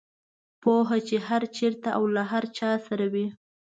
پوهه چې هر چېرته او له هر چا سره وي.